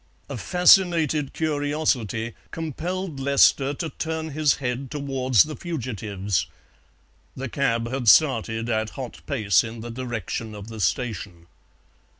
A fascinated curiosity compelled Lester to turn his head towards the fugitives; the cab had started at hot pace in the direction of the station.